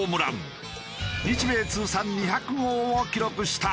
日米通算２００号を記録した。